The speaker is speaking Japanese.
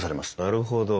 なるほど。